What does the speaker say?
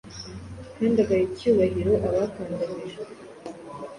kandi agaha icyubahiro abakandamijwe.